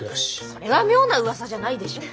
それは妙なうわさじゃないでしょ。